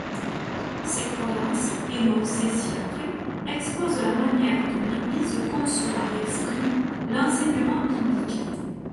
Ces croyances, énoncées ci-après, exposent la manière dont l´Église conçoit et exprime l´enseignement biblique.